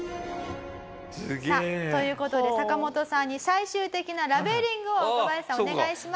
さあという事でサカモトさんに最終的なラベリングを若林さんお願いします。